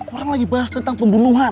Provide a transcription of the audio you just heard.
orang lagi bahas tentang pembunuhan